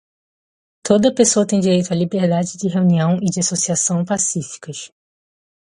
Toda a pessoa tem direito à liberdade de reunião e de associação pacíficas.